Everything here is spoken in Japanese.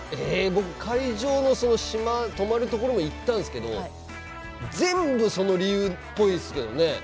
僕会場のその島泊まる所も行ったんですけど全部その理由っぽいですけどね。